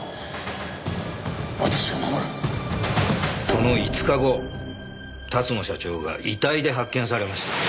その５日後龍野社長が遺体で発見されました。